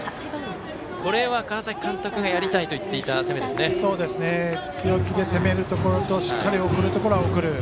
これは川崎監督がやりたいといっていた強気で攻めるところとしっかり送るところは送る。